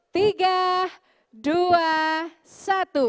tiga dua satu